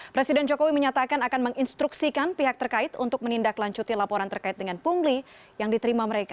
presiden jokowi menyatakan akan menginstruksikan pihak terkait untuk menindaklanjuti laporan terkait dengan pungli yang diterima mereka